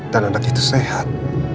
dan anak itu sehat